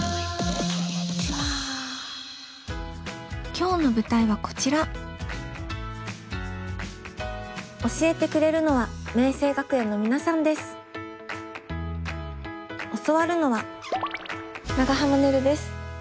今日の舞台はこちら教えてくれるのは教わるのは長濱ねるです。